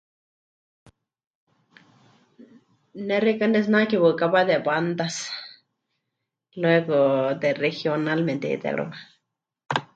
"Ne xeikɨ́a pɨnetsinake waɨkawa ""de bandas"", luego ""de regional"" memɨte'itérɨwa."